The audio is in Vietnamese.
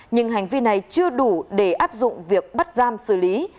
nhưng hành vi này chưa đủ để áp dụng việc bắt giam xử lý